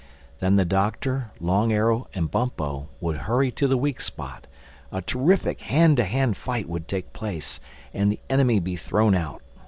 Then the Doctor, Long Arrow and Bumpo would hurry to the weak spot, a terrific hand to hand fight would take place and the enemy be thrown out.